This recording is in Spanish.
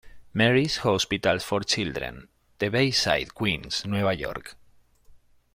Mary's Hospital for Children" de Bayside, Queens, Nueva York.